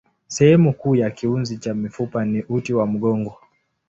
Sehemu kuu ya kiunzi cha mifupa ni uti wa mgongo.